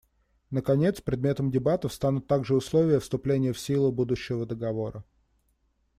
Наконец, предметом дебатов станут также условия вступления в силу будущего договора.